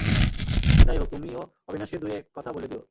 তা যাই হোক, তুমিও অবিনাশকে দুই-এক কথা বলে দিয়ো।